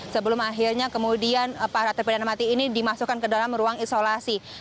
sebelum akhirnya kemudian para terpidana mati ini dimasukkan ke dalam ruang isolasi